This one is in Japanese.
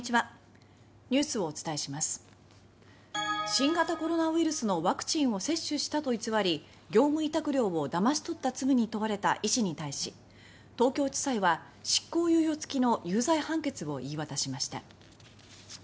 新型コロナウイルスのワクチンを接種したと偽り、業務委託料をだまし取った罪に問われた医師に対し東京地裁は執行猶予付きの有罪判決を言い渡しました。